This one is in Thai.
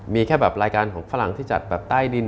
มีแค่แบบรายการของฝรั่งที่จัดแบบใต้ดิน